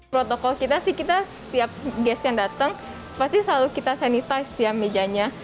protokol kita sih kita setiap guest yang datang pasti selalu kita sanitize ya mejanya